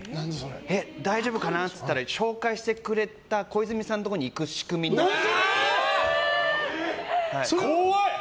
大丈夫かなといったら紹介してくれた小泉さんのところに行く仕組みに怖い！